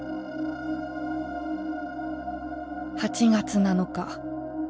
「８月７日。